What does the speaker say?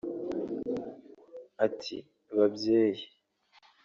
Ati “Babyeyi